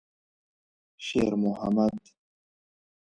شېرمحمد.